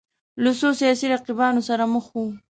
له څو سیاسي رقیبانو سره مخ وو